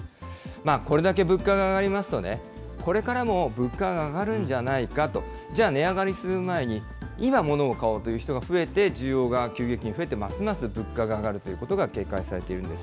これだけ物価が上がりますと、これからも物価が上がるんじゃないかと、じゃあ、値上がりする前に今、ものを買おうという人が増えて、需要が急激に増えて、ますます物価が上がるということが警戒されているんです。